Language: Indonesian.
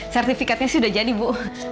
sertifikatnya sudah jadi bu